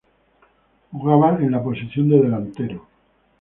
Jugaba en la posición de delantero.